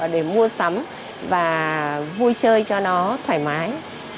để mua sắm và vui chơi cho nó thoải mái